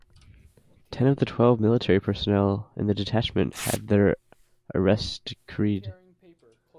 Ten of the twelve military personnel in the detachment had their arrest decreed.